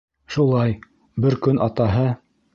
Шулай, бер көн атаһы: